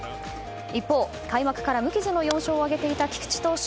一方、開幕から無傷の４勝を挙げていた菊池投手